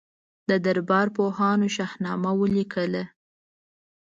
د دربار پوهانو شاهنامه ولیکله.